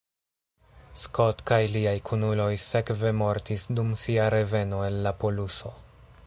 Scott kaj liaj kunuloj sekve mortis dum sia reveno el la poluso.